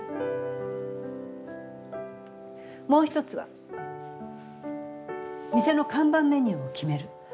もう一つは店の看板メニューを決める。